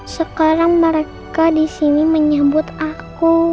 sekarang mereka disini menyebut aku